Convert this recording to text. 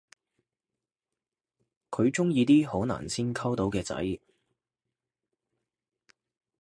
佢鍾意啲好難先溝到嘅仔